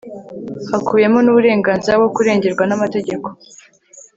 hakubiyemo n'uburenganzira bwo kurengerwa n'amategeko